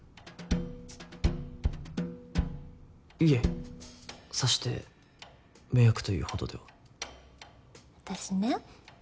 いえさして迷惑というほどでは私ね